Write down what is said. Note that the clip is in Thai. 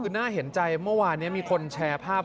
คือน่าเห็นใจเมื่อวานนี้มีคนแชร์ภาพ